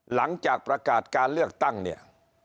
หลังจากประกาศการเลือกตั้งเนี่ย